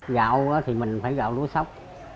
gạo thì mình phải gạo lúa sóc